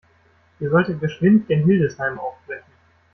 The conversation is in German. Ihr solltet geschwind gen Hildesheim aufbrechen.